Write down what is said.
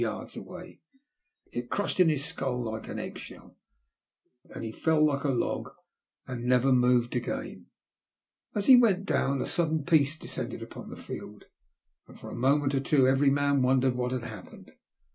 yartls away. It crushed in his skull like an 364 THE LtJST OP HATE. egg shell, and he fell like a log and never moved again. As he went down a sudden peace descended npon the field, and for a moment or two every man wondered what had happened.